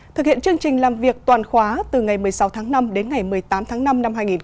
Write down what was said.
thực hiện chương trình làm việc toàn khóa từ ngày một mươi sáu tháng năm đến ngày một mươi tám tháng năm năm hai nghìn hai mươi bốn